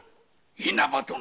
稲葉殿。